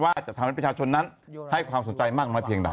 ว่าจะทำให้ประชาชนนั้นให้ความสนใจมากน้อยเพียงใด